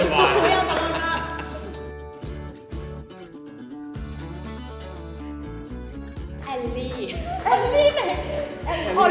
มันอย่างนี้หน่อย